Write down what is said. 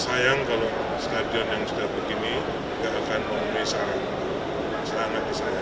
sayang kalau stadion yang sudah begini tidak akan memenuhi standar